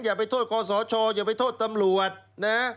อย่าไปโทษคอสชอย่าไปโทษตำรวจนะ